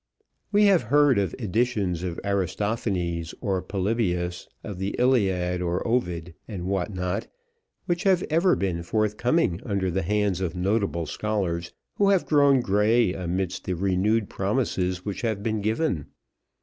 We have heard of editions of Aristophanes, of Polybius, of the Iliad, of Ovid, and what not, which have ever been forthcoming under the hands of notable scholars, who have grown grey amidst the renewed promises which have been given.